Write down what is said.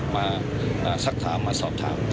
มาสักถามมาสอบถาม